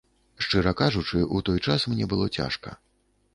Шчыра кажучы, у той час мне было цяжка.